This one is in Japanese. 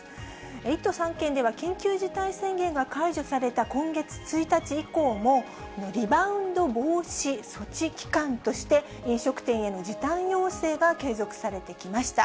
１都３県では、緊急事態宣言が解除された今月１日以降も、リバウンド防止措置期間として、飲食店への時短要請が継続されてきました。